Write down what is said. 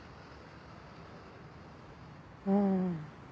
うん。